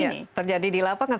ya terjadi di lapangan